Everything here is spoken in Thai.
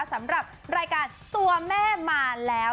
สำหรับรายการตัวแม่มาแล้ว